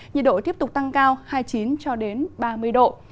nhiệt độ tiếp tục tăng cao hai mươi chín ba mươi độ